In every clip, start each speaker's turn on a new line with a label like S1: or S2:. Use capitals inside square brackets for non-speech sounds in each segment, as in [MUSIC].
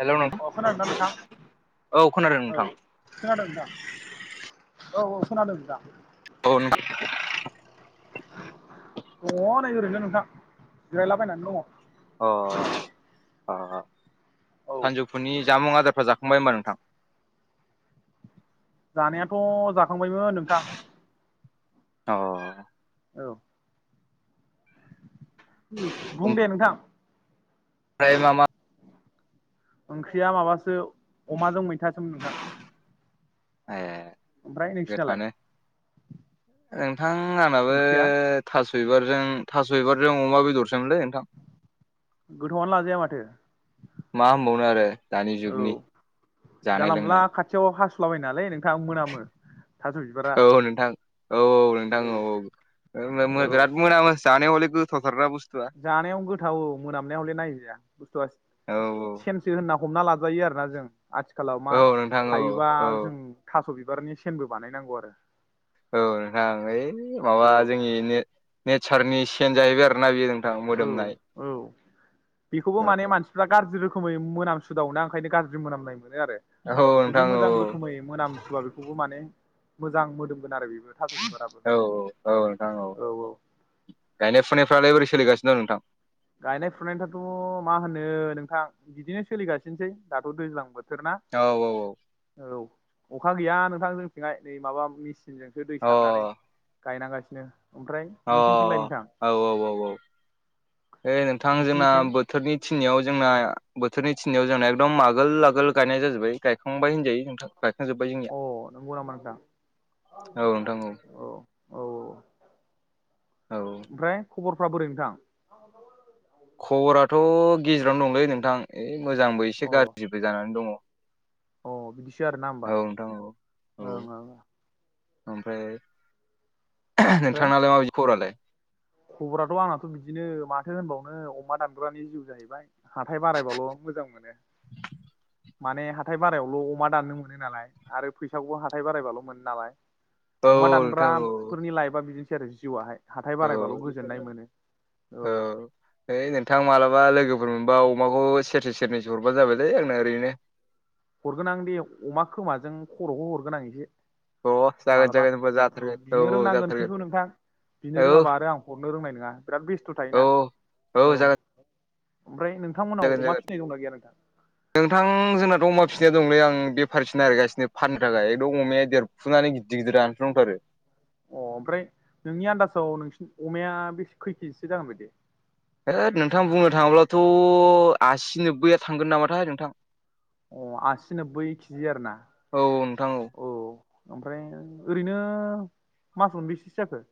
S1: हेल' नोंथां
S2: अ खोनादोंदा नोंखां
S1: औ खोनादों
S2: औ
S1: नोंथां
S2: खोनादोंदां औ औ खोनादोंदां।
S1: [UNINTELLIGIBLE]
S2: दङ नै ओरैनोो नोंथां जिरायलाबायनानै दङ।
S1: अ अ
S2: औ
S1: सानजौफुनि जामुं आदारफ्रा जाखांबाय होनोमबा नोंथां?
S2: जानायाथ' जाखांबायमोन नोंथां।
S1: औ
S2: औ बुं दे नोंथां
S1: ओमफ्राय
S2: औ।
S1: मा मा
S2: ओंख्रिया माबासो अमाजों मैथासोमोन नोंथां।
S1: ए
S2: ओमफ्राय नोंसिनालाय
S1: गोथ'आनो नोंथां आंनाबो
S2: ओंख्रिया
S1: थास' बिबारजों थास' बिबारजों अमा बेदरसोममोनलै नोंथां।
S2: गोथौनो लाजाया माथो।
S1: मा होनबावनो आरो दानि
S2: औ
S1: जुगनि जानाय
S2: जानला मोनला
S1: लोंनाय।
S2: खाथियाव हासु्लाबाय नालाय नोंथाङा मोनामो। थास' बिबारा
S1: औ नोंथां औ औ नोंथां औ औ बिराद मोन जानायाव हले गोदानथार ना बुस्थु
S2: जानायावनो गोथाव मोनामनायाव हले नायजया बुस्थुआ
S1: औ
S2: से होनना हमना लाजायो आरोोना जों आथिखालाव मा
S1: औ नोंथां औ
S2: हायोबा
S1: औ
S2: जों थास' बिबारनि सेनबो बानायनांगौ आरो।
S1: औ नोंथां ओइ माबा
S2: आरो
S1: जोंनि नेचारनि चेन जाहैबाय आरोना बेयो
S2: औ
S1: मोदोमनाय
S2: औ बेखौबो माने मानसिफ्रा गाज्रि रोखोम रोखोमै मोनामसुदावनाा ओंखायनो गाज्रि मोनामनाय मोनो आरो
S1: औ
S2: जुदि
S1: नोंथां औ
S2: मोजां रोखोमै मोनामसुवा बेखौबो माने मोजां मोदोमगोन आरो बेबो थास'बिबाराबो।
S1: औ औ औ नोंथां औ गायनाय फुनायफ्रालाय बोरै सोलिगासिनो दं नोंथां?
S2: गायनाय फुनायथाथ' मा होनो नोंथां बिदिनो सोलिगासिनोसै दाथ' दैज्लां बोथोर ना?
S1: औ औ औ
S2: औ अखा गैया नोंथां जोंथिंहाय नै माबा मेचिनजोंसो दै
S1: औ
S2: सारनानै
S1: अ
S2: गायनांगासिनो ओमफ्राय
S1: अ
S2: नोंसिनिथिंलाय नोंथां
S1: औ औ औ औ ओ नोंथां जोंना
S2: नोंसिनिथिं
S1: बोथोरनि थिनियाव जोंना बोथोरनि थिनियाव जोंना एकदम आगोल आगोल गायनाय जाजोबबाय गायखांबाय होनजायो नोंथां। गायखजोबबाय जों।
S2: अ नोंगौ नामा नोंथां
S1: औ नोंथां
S2: औ। औ
S1: औ
S2: ओमफ्राय खबरफ्रा बोरै नोंथां?
S1: खबराथ' गेजेरावनो दंलै नोंथां मोजांबो एसे
S2: अ
S1: गाज्रिबो जानानै दङ।
S2: अ बिदिसो आरोना होमबा
S1: औ नोंथां औ औ
S2: ओं ओं
S1: ओमफ्राय
S2: ओमफ्राय
S1: नोंथांनालाय माबायदि खबरालाय?
S2: खबराथ' आंनाथ' बिदिनो माथो होनबावनो अमा दानग्रानि जिउ जाहैबाय। हाथाय बारायबाल' मोजां मोनो। माने हाथाय बारायावल' अमा दाननो मोनो नालाय आरो फैसाखौबो हाथाय बारायबाल' मोनो नालाय।
S1: औ
S2: अमा
S1: नोंथां औ
S2: दानग्राफोरनि लाइफआ बिदिनोसै आरो जिउआहाय। हाथाय
S1: औ
S2: बारायबाल' गोजोननाय मोनो औ
S1: हैओइ नोंथां मालाबा लोगोफोर मोनबा अमाखौ सेरनै सेरनैसो हरबानो जाबायलै आंना ओरैनो।
S2: हरगोन आं दे अमा खोमाजों खर'खौ हरगोन आं एसे
S1: अ जागोन
S2: मालाबा
S1: जागोन होनबा
S2: औ
S1: जाथारगोन
S2: बिदिनो रोंनांगोन
S1: जाथारगोन
S2: खिन्थु नोंथां बिनो रोङाबा
S1: औ
S2: आरो आं हरनो रोंनाय नङा बिराद बेस्थ'
S1: औ
S2: थायोना औ ओमफ्राय नोंथांमोनाव
S1: जागोन
S2: अमा
S1: जागोन
S2: फिसिनाय दंना गैया नोंथां
S1: नोंथां जोंनाथ' अमा फिसिनाया दंलै आं बेफारिसिना आरो गासिनो फाननो थाखाय एकदम अमाया देर सुनानै गिदिर गदिर जानानै दंथारो
S2: अ ओमफ्राय नोंनि आन्दाजाव नोंसिनि अमाया बे खै केजिसो जागोन बायदि
S1: होद नोंथां बुंनो थाङोबाब्लाथ' आसि नोबबैया थांगोन नामाथाय नोंथां
S2: अ आसिनो बै केजि आर ना
S1: औ नोंथां
S2: औ ओमफ्राय ओरैनो मास मोनबसेसो जाखो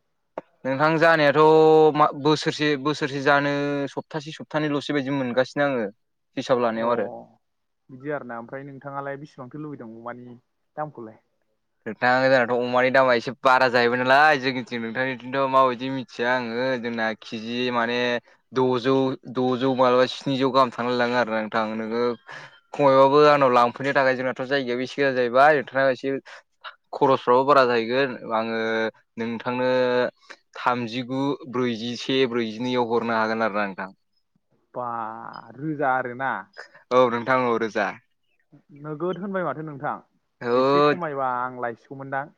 S1: नोंथां जानायाथ' म बोसोरसे बोसोरसे जानो सप्तासे सप्थानैल'स बायदि मोनगासिनो आङो हिसाब
S2: अ
S1: लानायाव आरो
S2: बिदि आर ना ओमफ्राय नोंथाङालाय बेसेबांथो लुबैदों अमानि दामखौलाय
S1: नोंथां जोंनाथ' अमानि दामा एसे बारा जाहैबाय नालाय जोंनिथिं नोंथांनिथिंथ' माबायदि मिथिया आङो जोंना केजि माने द'जौ द'जौ मालाबा स्निजौ गाहाम थांलाय लाङो आरोना नोंथां नोङो खमायबाबो आनाव लांफैनो थाखाय जोंनाथ' जायगायायावो एसे गोजां जाहैबाय नोंथां एसे खरसफ्राबो बारा जाहैगोन आङो नोंथांनो थामजिगु ब्रैजिसे ब्रैजिनैआव हरनो हागोन आरो ना नोंथां
S2: बा रोजा आरोना
S1: औ नोंथां औ रोजा
S2: नोगोद होनबाय माथो नोंथां एसे
S1: होद
S2: खमायबा आं लायसिगौमोनदां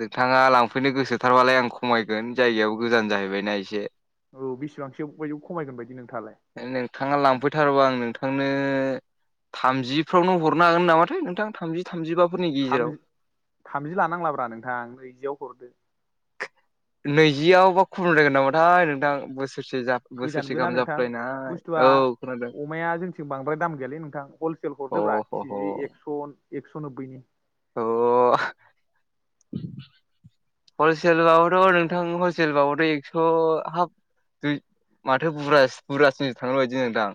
S1: नोंथाङा लांफैनो गोसोथारबालाय आं खमायगोन जायगायायावो गोजान जाहैबायना एसे
S2: औ बेसेबांसो बायदि खमायगोन बायदि नोंथाङालाय
S1: नोंथाङा लांफैथारोबा आं नोंथांनो थामजिफ्रावनो हरनो हागोन नामाथाय नोंथां थामजि थामजिबाफोरनि
S2: थामजि
S1: गेजेराव
S2: थामजि लानांलाब्रा नोंथां नैजियाव हरदो
S1: नैजियावबा खम जागोन नामाथाय नोंथां बोसोरसे जाब
S2: गोजानबोना नोंथां बुस्थुआ
S1: खोनादों
S2: अमाया जोंथिं बांद्राय दाम गैयालै नोंथां हलसेल
S1: अ
S2: हरदोब्रा
S1: ह ह
S2: केजि एकस' एक्स' नोब्बैनि
S1: अ हलसेलाव आ थ' नोंथां हलसेलाव एकस थ' हफ माथोु बुरजासिनसो बुर्जा सिन थांबाय बायदि नोंथां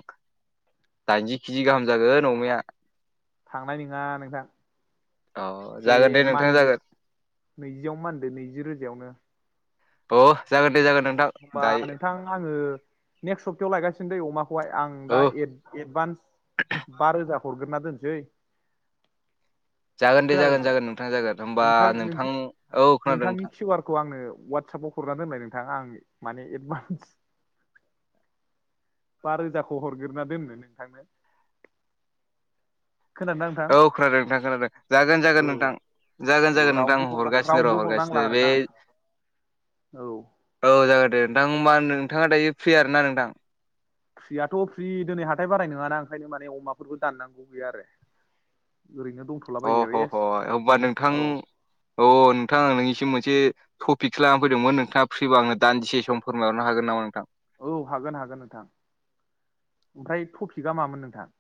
S1: दाइनजि केजि गाहाम जागोन अमाया
S2: थांनाय नङा नोंथां
S1: अ
S2: दे
S1: जागोन नोंथां जागोन
S2: मानिदो नैजियाव मानिदो नैजि रोजायावनो
S1: अ जागोन दे जा
S2: अ होनोमबा नोंथां आङो नेक्स्ट सप्तायाव लायगासिनो दे अमाखौहाय आं दा
S1: औ
S2: एद एडभान्स बा रोजा हरग्रोनना दोनसै
S1: जागोन दे
S2: खोनादों
S1: जागोन
S2: नोंथां
S1: जागोन
S2: औ
S1: जागोन होमबा
S2: नोंथां नोंथां
S1: औ खोनादों
S2: नोंथांनि
S1: नोंथां
S2: किउआर खौ आंनो वाटसाप आव हरनानै दोनलाय नोंथां आं माने एडभान्स बा रोजाखौ हरग्रोना दोननो नोंथांनो खोनादोंना नोंथां
S1: औ खोनादों नोंथां खोनादों जागोन जागोन
S2: औ
S1: नोंथां जागोन
S2: औ
S1: जागोन नोंथां
S2: रावनोबो हरना
S1: हरगासिनो र'
S2: रावनोबो हरनांला
S1: हरगासिनो
S2: आरो
S1: बे
S2: ना औ
S1: औ जागोन दे नोंथां होमबा नोंथाङा दायो फ्रि आरोना नोंथां
S2: फ्रियाथ' फ्रि दिनै हाथाय बाराय नङाना ओंखायनो माने अमाफोरबो दाननांगौ गैया आरो ओरैनो दंथ'
S1: अ ह ह होमबा नोंथां औ नोंथां नोंनिसिम मोनसे टपिक खालामानानै फैदोंमोन नोंथाङा फ्रिब आंनो दान्दिसे सममायहर हागोन नामा नोंथां।
S2: औ हागोन हागोन नोंथां ओमफ्राय टपिकआ मामोन नोंथां?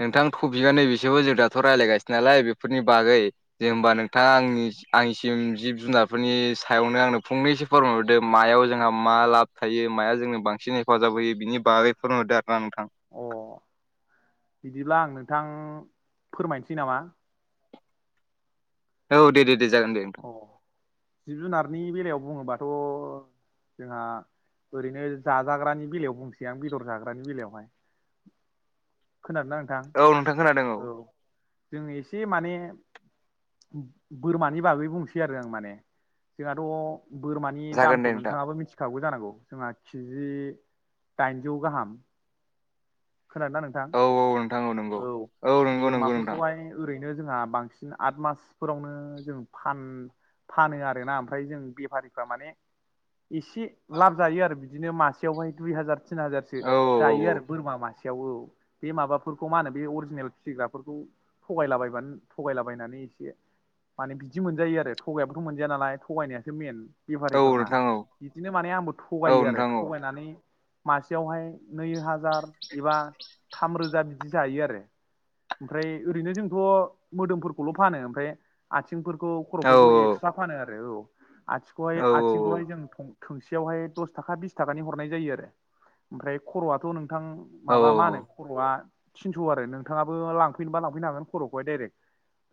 S1: नोंथां टपिकआ नैबेसोरबो जों दाथ' रायज्लायगासिनो नालाय बेफोरनि बागै जे होमबा नोंथाङा आंनि आंनिसिम जिब जुनारफोरनि सायावनो आंनो फंनैसो फोरमायहरदो मायाव जोंहा मा लाब थायो माया जोंनो बांसिन हेफाजाब होयो बिनि बागै फोरोंहरदो आरो ना नोंथां।
S2: अ बिदिब्ला आं नोंथां फोरमायनोसै नामा?
S1: औ दे दे दे जागोन दे। नोंथां
S2: अ जिब जुनारनि बेलायाव बुङोबाथ' जोंहा ओरैनो जाजाग्रानि बेलायाव बुंसै आं बेदर जाग्रानि बेलायावहाय खोनादोंना नोंथां
S1: औ नोंथां खोनादों
S2: औ जों एसे माने बोरमानि बागै बुंसै आरो आं माने जोंहाथ' बोरमानि
S1: जागोन
S2: दामखौ
S1: दे नोंथां
S2: नोंथाङाबो मिथि फिखावौ जानांगौ जोंहा केजि दाइनजौ गाहाम खोनादों ना
S1: औ नंगौ
S2: नोंथां औ
S1: नंगौ नंगौ नोंथां
S2: बोरमाफोरखौहाय ओरैनो जोंहा बांसिन आद मासफोरावनो जों फान फानो आरोना ओमफ्राय जों बेफारिफ्रा माने एसे लाब जायो आरो बिदिनो मासेयावहाय दुइ हाजार तिन हाजारसो
S1: औ
S2: जायो आरो
S1: औ
S2: बोरमा मासे खासेयाव बे माबाफोरखौ मा होनो बे अरिजिनेल फिसिग्राफोरखौ। थगायलाबायबानो थगायलाबायनानै एसे माने बिदि मोनजायो आरो थगायाबाथ' मोनजाया नालाय थगायनायासो मेन।
S1: औ
S2: बेफारिफोरना
S1: नोंथां औ
S2: बिदिनो माने आंबो
S1: औ
S2: थगायो आरो
S1: नोंथां औ
S2: थगायनानै मासेयावहाय नै हाजार एबा थामरोजा बिदि जायो आरो। ओमफ्राय ओरैनो जोंथ' मोदोमफोरखौल' फानो ओमफ्राय आथिंफोरखौ
S1: औ
S2: खर'फोरखौ एक्सट्रा फानो आरो औ आथिंहाय
S1: औ
S2: आथिंखौहाय जों थोंसेयावहाय दस थाखा बिस थाखानि हरनाय जायो आरो ओमफ्राय खर'आथ' नोंथां
S1: औ
S2: माबा मा होनो खर'आ थिनस' आरो नोंथाङाबो लांफैनोबा लांफैनो हागोन खर'खौहाय डाइरेक्ट।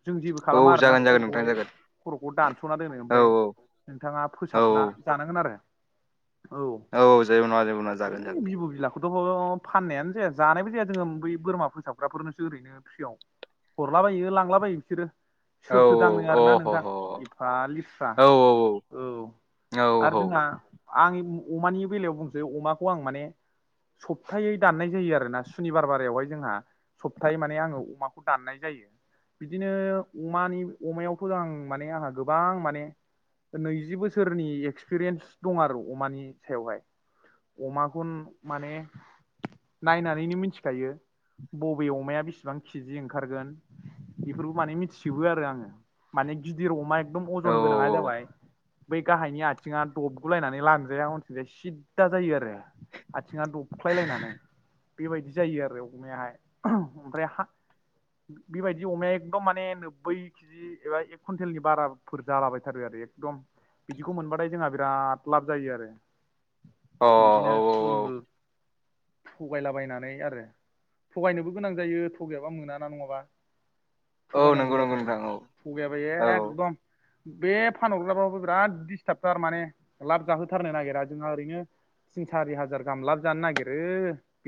S2: जों जेबो
S1: औ
S2: खालामा आर ना
S1: जागोन जागोन नोंथां
S2: खर'खौहाय
S1: जागोन
S2: खर'खौ दानस'ना दोनो
S1: औ
S2: ओमफ्राय नोंथाङा
S1: औ
S2: फोसाबना जानांगोन आरो। औ
S1: औ जेबो नङा जेबो नङा जागोन जागोन
S2: हैओइ बिब' बिलाखौथ' फाननायानो जाया जानायबो जाया जोङो बै बोरमा फोसाबग्राफोरनोसो ओरैनो फ्रियाव हरलाबायो लांलाबायो बिसोरो
S1: औ
S2: सोरथो दाङो
S1: अ
S2: आरोना
S1: ह
S2: नोंथां
S1: ह
S2: एफा लेथ्रा।
S1: औ औ औ
S2: औ
S1: औ
S2: आरो जोंहा आं अमानि बेलायाव बुंसै अमाखौ आं माने सप्तायै दाननाय जायो आरोोना सुनिबार बारायावहाय जोंहा सप्ताहै माने आङो अमाखौ दाननाय जायो। बिदिनो अमानि अमायावथ' आं माने आंहा गोबां माने नैजि बोसोरनि एक्सपिरियेन्स दं आरो अमानि सायावहाय। अमाखौ माने नायनानैनो मिथिखायो। बबे अमाया बेसिबां केिजि ओंखारगोन बेफोरखौ माने मिथिजोबो आरो आङो। माने गिदिर अमा एकदम
S1: औ अ
S2: अजन गोनाङा जाबाय बै गाहायनि आथिङा दबगुलायनानै लांजाया अनथिंजाया सिदा जायो आरो। आथिया दप खुख्लायलायनानै बेबायदि जायो आरो अमायाहाय ओमफ्राय हा बेबायदि अनेकदम माने नो्बै जि एबा एक कुवन्टेलनि बाराफोर जालाबायथारो आरो एकदम बिदिखौ मोनबाथाय जोंहा बिराद लाब जायो आरो।
S1: अ
S2: बिदिना थुल मुल थगायलाबायनानै आरो। थगायनोबो गोनां जायो थगायाबा मोना ना नङाबा।
S1: औ
S2: थुगायनांगौ
S1: नंगौ नंगौ
S2: जाथारो
S1: नोंथां औ
S2: थुगायाबा
S1: औ
S2: एकदम बे फानहरग्राफ्राबो बिराद दिडिस्टार्ब थारमाने लाब जाहोथारनो नागिरा जोंहा ओरैनो तिन सारि हाजार गामलाब जानो नागिरो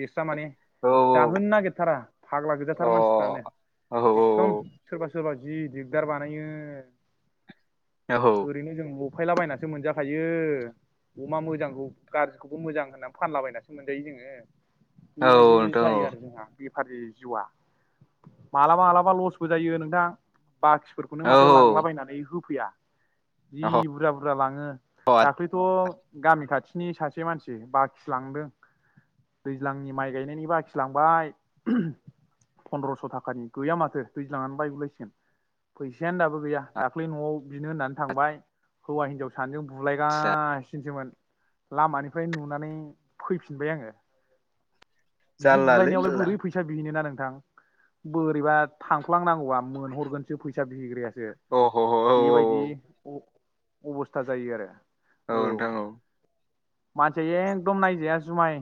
S2: बेस्रा माने
S1: औ
S2: जाहोनो नागिरथारा फाग्ला
S1: अ औ
S2: गोजाथार मानसिफ्रानो।
S1: औ
S2: एखदम सोरबा सोरबा जि दिगदार बानायो।
S1: औ
S2: ओरैनो जों ल अफायलाबायनासो मोनजाखायो अमा मोजांखौ गाज्रिखौबो मोजां होननानै फानलाबायनासो मोन जोङो बेबायदि
S1: औ नोंथां
S2: जायो
S1: औ
S2: आरो नोंथां। बेफारि जिउआ मालाबा मालाबा लसबो जायो नोंथां। बाखिफोरखौनो
S1: औ
S2: माथो लांलाबायनानै होफैया जि
S1: अ
S2: बुरजा बुरजा लाङो दाख्लै थ' गामि खाथिनि सासे मानसि बाखिलांदों दैज्लांनि माइ गायनायनि बाखिलांबाय फन्द्रस' थाखानि गैया माथो दैज्लांनानै बायगुलायसिगोन। फैसायानो दाबो गैया दाख्लै न'आव बिनो होननानै थांबाय हौवा हिनजाव सानैजों
S1: आदसा
S2: बुलायगासिनोसोमोन लामानिफ्राय नुनानै फैफिनबाय आङो। बिदि
S1: जारलालै
S2: बुलनायावलाय
S1: जारला
S2: बोरै फैसा फैसा बिनोोना नोंथां बोरैबा थांफ्लांनांगौा मोनहरगोनसो फैसा बिग्रायासो।
S1: अ अ
S2: बेबायदि अ-अबस्था जायो आरो औ मानसिया एकदम नायजाया जुमाय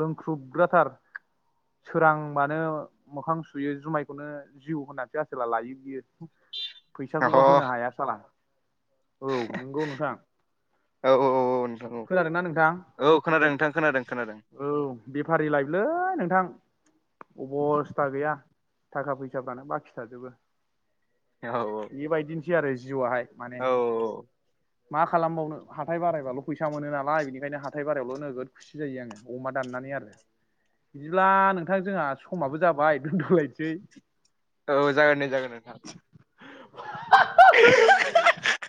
S2: लोंख्रुबग्राथार। सोरांबानो मोखां सुयो जुमायखौनो जिउ होननानैसो आसला लायो बियो।
S1: अ
S2: फैसाखौबा होनो हाया सला औ नंगौ नोंथां।
S1: औ औ औ औ नोंथां औ
S2: खोनादोंना नोंथां
S1: औ खोनादों नोंथां खोनादों खोनादों।
S2: औ बेफारि लायलै नोंथां अबस्था गैया। थाखा फैसााबानो बाखि थाजोबो
S1: औ
S2: बेबायदिनोसै आरो जिआहाय। माने
S1: औ
S2: मा खालामबावनो हाथाय बारायबाल' फैसा मोनो नालाय बेनिखायनो हाथाय बारायावल' नोगोद खुसि जायो आङो अमा दाननानै आरो। बिदिब्ला नोंथां जोंहा समाबो जाबाय दोनन्द'लायसै।
S1: औ जागोन दे जागोन नोंथां।